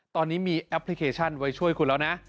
ตอนนี้มีแอปพลิเคชันไว้ช่วยคุณแล้วนะ